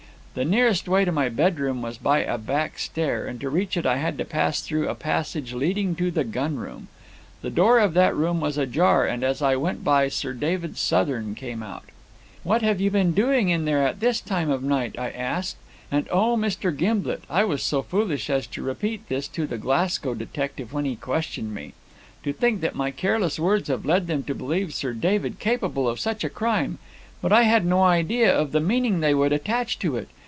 The nearest way to my bedroom was by a back stair, and to reach it I had to pass through a passage leading to the gun room. The door of that room was ajar, and as I went by Sir David Southern came out. "'What have you been doing in there at this time of night?' I asked; and oh, Mr. Gimblet, I was so foolish as to repeat this to the Glasgow detective when he questioned me. To think that my careless words have led them to believe Sir David capable of such a crime! But I had no idea of the meaning they would attach to it.